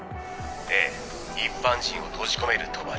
Ａ一般人を閉じ込める帳。